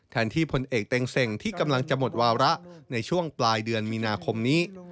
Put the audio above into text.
ที่พลเอกเต็งเซ็งที่กำลังจะหมดวาระในช่วงปลายเดือนมีนาคมนี้